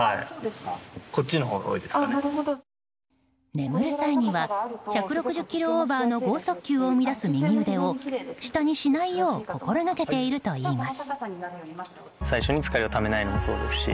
眠る際には１６０キロオーバーの豪速球を生み出す右腕を下にしないよう心掛けているといいます。